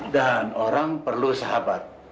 dan orang perlu sahabat